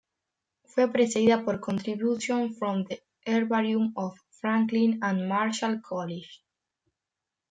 Fue precedida por "Contributions from the Herbarium of Franklin and Marshall College".